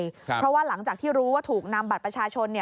เพราะว่าหลังจากที่รู้ว่าถูกนำบัตรประชาชน